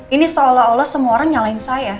ini seolah olah semua orang nyalahin saya